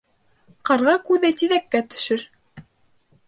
Ҡарға күҙе тиҙәккә төшөр.